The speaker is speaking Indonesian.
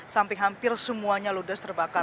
sampai hampir semuanya ludes terbakar